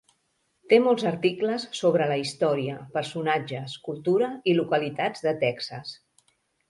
Té molts articles sobre la història, personatges, cultura i localitats de Texas.